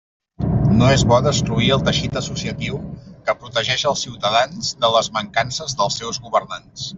No és bo destruir el teixit associatiu que protegeix els ciutadans de les mancances dels seus governants.